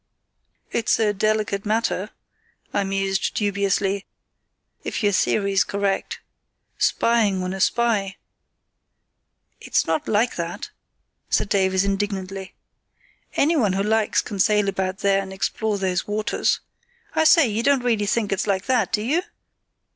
"It's a delicate matter," I mused, dubiously, "if your theory's correct. Spying on a spy——" "It's not like that," said Davies, indignantly. "Anyone who likes can sail about there and explore those waters. I say, you don't really think it's like that, do you?"